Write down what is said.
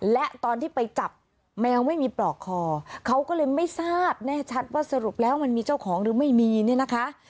และตอนที่ไปจับแมวไม่มีปลอกคอเขาก็เลยไม่ทราบแน่ชัดว่าสรุปแล้วมันมีเจ้าของหรือไม่มีเนี่ยนะคะ